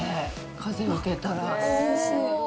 風受けたら。